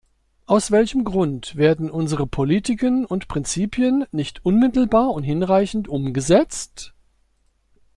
Aus welchem Grund werden unsere Politiken und Prinzipien nicht unmittelbar und hinreichend umgesetzt?